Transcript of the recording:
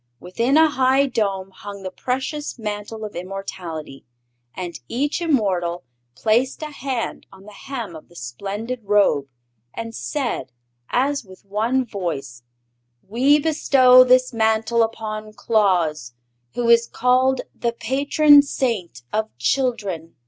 Within a high dome hung the precious Mantle of Immortality, and each immortal placed a hand on the hem of the splendid Robe and said, as with one voice: "We bestow this Mantle upon Claus, who is called the Patron Saint of Children!"